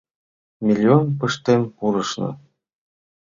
Мильон пыштен пурышна.